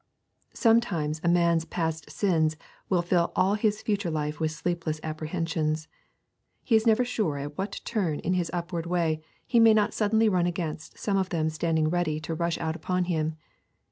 Sometimes a man's past sins will fill all his future life with sleepless apprehensions. He is never sure at what turn in his upward way he may not suddenly run against some of them standing ready to rush out upon him.